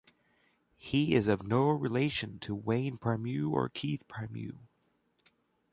He is of no relation to Wayne Primeau or Keith Primeau.